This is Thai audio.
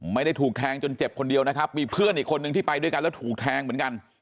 ไม่ได้ถูกแทงจนเจ็บคนเดียวนะครับมีเพื่อนอีกคนนึงที่ไปด้วยกันแล้วถูกแทงเหมือนกัน